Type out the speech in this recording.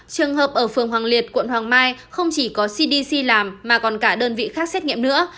trường hợp ở phường hoàng liệt quận hoàng mai không chỉ có cdc làm mà còn cả đơn vị khác xét nghiệm nữa